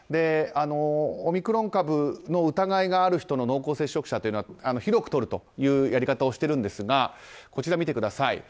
オミクロン株の疑いがある人の濃厚接触者というのは広くとるというやり方をしているんですがこちらを見てください。